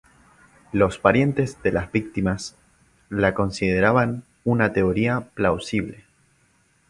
Los parientes de las víctimas la consideran una teoría plausible.